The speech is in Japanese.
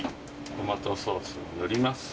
トマトソースを塗ります。